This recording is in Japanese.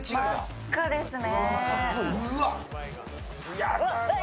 真っ赤ですね。